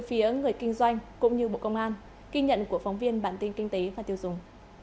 phía người kinh doanh cũng như bộ công an ghi nhận của phóng viên bản tin kinh tế và tiêu dùng